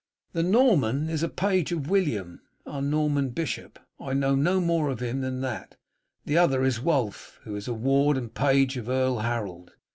"The Norman is a page of William, our Norman bishop; I know no more of him than that the other is Wulf, who is a ward and page of Earl Harold.